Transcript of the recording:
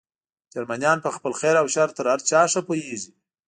جرمنیان په خپل خیر او شر تر هر چا ښه پوهېږي.